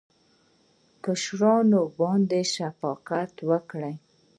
کشرانو باندې شفقت وکړئ